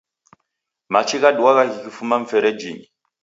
Machi ghaduagha ghikifuma mferejinyi